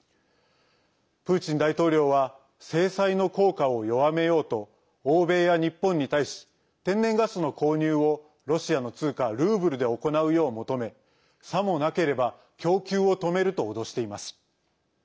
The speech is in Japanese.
プーチン大統領は制裁の効果を弱めようと欧米や日本に対し天然ガスの購入をロシアの通貨ルーブルで行うよう求めさもなければ供給を止めると脅しています。